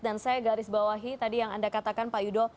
dan saya garis bawahi tadi yang anda katakan pak yudo